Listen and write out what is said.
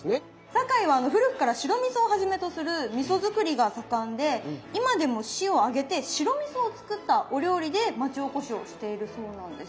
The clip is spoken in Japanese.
堺は古くから白みそをはじめとするみそ造りが盛んで今でも市を挙げて白みそを使ったお料理で町おこしをしているそうなんです。